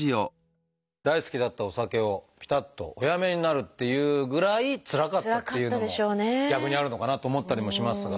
大好きだったお酒をぴたっとおやめになるっていうぐらいつらかったっていうのも逆にあるのかなと思ったりもしますが。